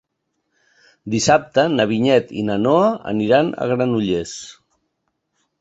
Dissabte na Vinyet i na Noa aniran a Granollers.